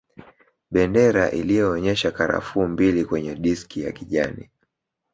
Bendera iliyoonyesha karafuu mbili kwenye diski ya kijani